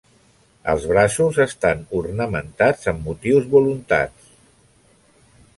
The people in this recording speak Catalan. Els braços estan ornamentats amb motius voluntats.